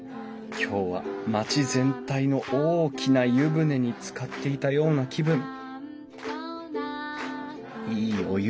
今日は町全体の大きな湯船につかっていたような気分。